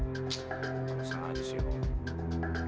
tak usah aja saya mohon